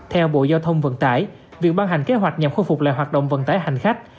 theo bộ giao thông vận tải việc ban hành kế hoạch nhằm khôi phục lại hoạt động vận tải hành khách